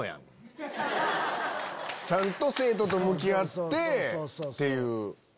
ちゃんと生徒と向き合ってっていう。